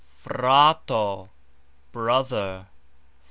frAto : brother.